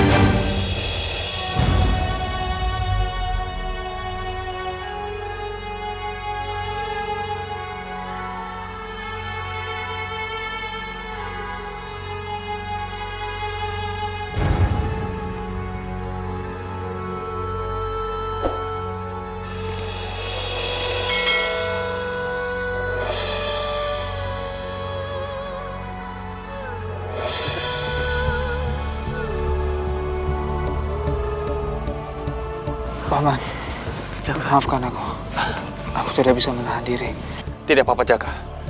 sampai jumpa di video selanjutnya